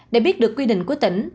để biết được quy định của tỉnh